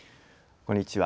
こんにちは。